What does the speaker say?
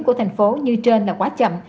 của thành phố như trên là quá chậm